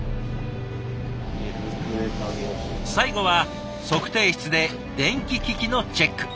最後は測定室で電気機器のチェック。